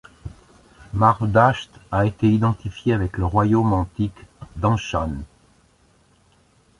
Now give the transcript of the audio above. Marvdasht a été identifié avec le royaume antique d'Anshan.